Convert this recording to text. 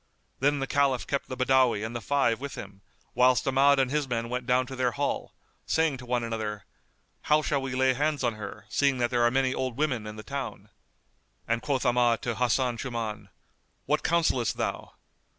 Then the Caliph kept the Badawi and the five with him, whilst Ahmad and his men went down to their hall,[FN#208] saying to one another, "How shall we lay hands on her, seeing that there are many old women in the town?" And quoth Ahmad to Hasan Shuman, "What counsellest thou?"